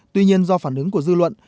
tuy nhiên do phản ứng của dư luận